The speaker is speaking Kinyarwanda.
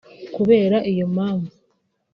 Kubera iyo mpamvu